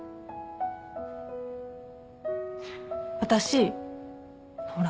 私ほら